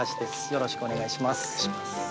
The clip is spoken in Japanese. よろしくお願いします。